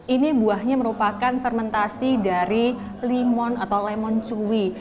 ini buahnya merupakan sermentasi dari limon atau lemon cuwi